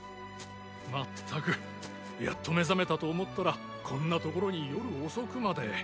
まったくやっと目覚めたと思ったらこんな所に夜遅くまで。